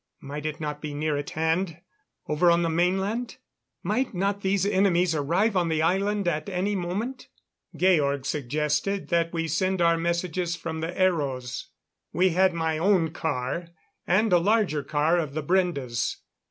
Might it not be near at hand over on the mainland? Might not these enemies arrive on the island at any moment? Georg suggested that we send our messages from the aeros. We had my own car and a larger car of the Brendes.